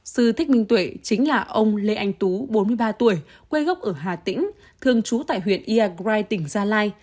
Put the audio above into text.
sư thích minh tuệ chính là ông lê anh tú bốn mươi ba tuổi quê gốc ở hà tĩnh thường trú tại huyện iagrai tỉnh gia lai